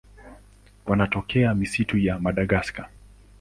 Wanatokea misitu ya Madagaska.